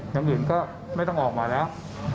อย่างอื่นก็ไม่ต้องออกมาแล้ว